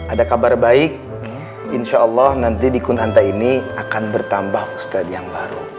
ada kabar baik insya allah nanti di kunanta ini akan bertambah ustadz yang baru